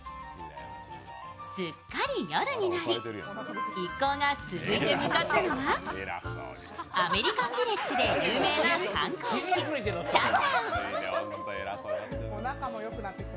すっかり夜になり、一行が続いて向かったのはアメリカンビレッジで有名な観光地・北谷。